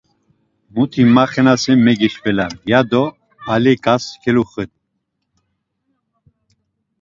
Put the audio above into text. Muti maxenasen megişveler, yado Aliǩas kelugutu.